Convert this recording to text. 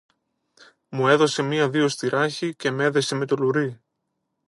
Μου έδωσε μια δυο στη ράχη και μ' έδεσε με το λουρί